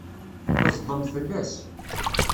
Tezḍem fell-as.